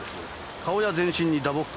顔や全身に打撲痕。